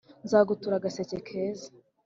Nzagutura agaseke keza